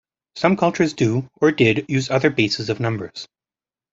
Some cultures do, or did, use other bases of numbers.